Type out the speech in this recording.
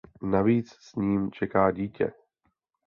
Navíc s ním čeká dítě.